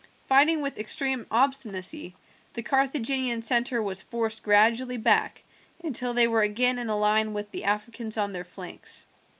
Fighting with extreme obstinacy the Carthaginian centre was forced gradually back until they were again in a line with the Africans on their flanks.